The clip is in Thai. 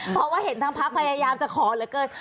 เพราะว่าเห็นทางพักพยายามจะขอเหลือเกิน